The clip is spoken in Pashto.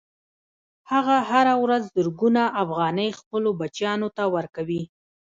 هغه هره ورځ زرګونه افغانۍ خپلو بچیانو ته ورکوي